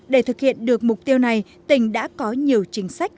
để thực hiện được mục tiêu này tỉnh đã có nhiều chính sách